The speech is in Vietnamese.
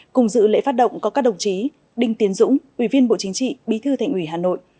cùng dự lễ phát động có các đồng chí đinh tiến dũng ủy viên bộ chính trị bí thư thành ủy hà nội